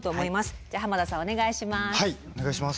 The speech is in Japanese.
じゃあ濱田さんお願いします。